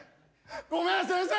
ごめん先生。